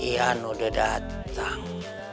iyan udah datang